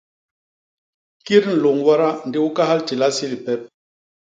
Kit nlôñ wada ndi u kahal tila isi lipep.